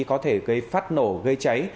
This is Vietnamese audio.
có thể gây phát nổ gây cháy